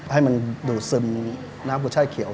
ให้มันดูดซึมน้ำกุช่ายเขียว